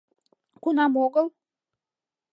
Кунам огыл!..